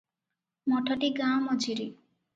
ମଠଟି ଗାଁ ମଝିରେ ।